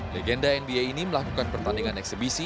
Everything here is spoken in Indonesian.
legenda nba ini melakukan pertandingan eksebisi